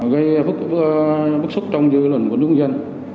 gây bức xúc trong dư luận của chúng dân